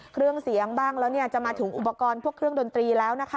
เครื่องเสียงบ้างแล้วจะมาถึงอุปกรณ์พวกเครื่องดนตรีแล้วนะคะ